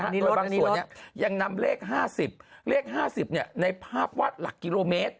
โดยบางส่วนยังนำเลข๕๐เลข๕๐ในภาพวาดหลักกิโลเมตร